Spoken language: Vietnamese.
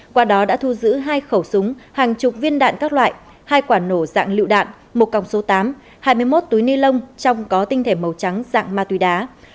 qua đó đã thu giữ hai khẩu súng hàng chục viên đạn các loại hai quả nổ dạng lựu đạn một còng số tám hai mươi một túi ni lông trong có tinh thể màu trắng dạng ma túy đá